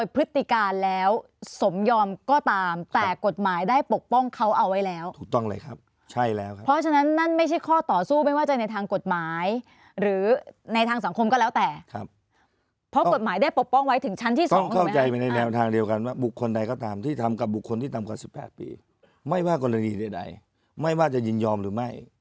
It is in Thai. พฤติการแล้วสมยอมก็ตามแต่กฎหมายได้ปกป้องเขาเอาไว้แล้วถูกต้องเลยครับใช่แล้วครับเพราะฉะนั้นนั่นไม่ใช่ข้อต่อสู้ไม่ว่าจะในทางกฎหมายหรือในทางสังคมก็แล้วแต่ครับเพราะกฎหมายได้ปกป้องไว้ถึงชั้นที่๒เข้าใจไปในแนวทางเดียวกันว่าบุคคลใดก็ตามที่ทำกับบุคคลที่ต่ำกว่า๑๘ปีไม่ว่ากรณีใดไม่ว่าจะยินยอมหรือไม่